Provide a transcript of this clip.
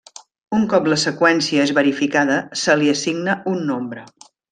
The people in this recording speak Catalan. Un cop la seqüència és verificada se li assigna un nombre.